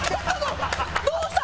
どうした？